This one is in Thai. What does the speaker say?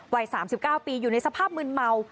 วัย๓๙ปีอยู่ในสภาพมืนเมา